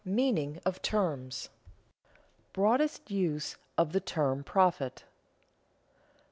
MEANING OF TERMS [Sidenote: Broadest use of the term profit] 1.